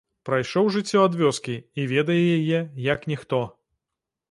Прайшоў жыццё ад вёскі і ведае яе як ніхто.